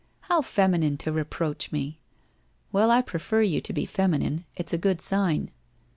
' How feminine to reproach me ! Well, I prefer you to be feminine, it's a good sign.'